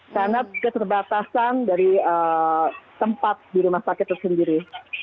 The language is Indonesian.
karena itu terbatasan dari tempat di rumah sakit itu sendiri